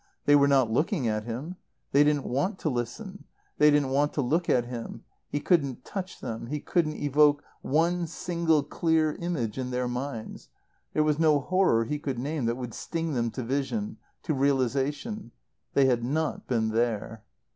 They were not looking at him. They didn't want to listen; they didn't want to look at him. He couldn't touch them; he couldn't evoke one single clear image in their minds; there was no horror he could name that would sting them to vision, to realization. They had not been there.